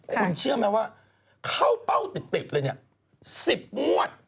คุณเชื่อไหมว่าเข้าเป้าติดเลยเนี่ย๑๐งวด